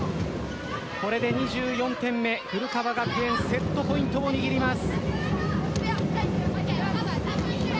これで２４点目古川学園セットポイントを握ります。